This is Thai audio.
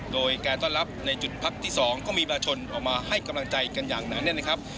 โดยการต้อนรับในจุดพักที่๒ก็มีประชาชนออกมาให้กำลังใจกันอย่างหนาแน่นนะครับ